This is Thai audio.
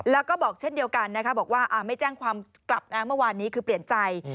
แล้วก็บอกเช่นเดียวกันนะคะบอกว่าไม่แจ้งความกลับนะเมื่อวานนี้คือเปลี่ยนใจ